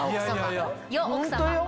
よっ奥様。